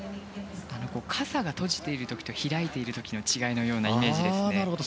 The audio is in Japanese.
傘が閉じている時と開いている時の違いのようなイメージですね。